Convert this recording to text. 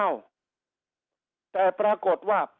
ชื่นชมไปที่สำนักงานตำรวจแห่งชาติ